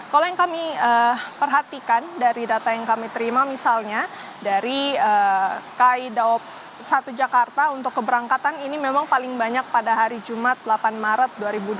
kalau yang kami perhatikan dari data yang kami terima misalnya dari kai daob satu jakarta untuk keberangkatan ini memang paling banyak pada hari jumat delapan maret dua ribu dua puluh